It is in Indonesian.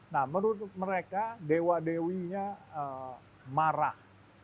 nah menurut mereka dewa dewinya marah